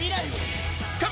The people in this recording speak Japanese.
つかめ！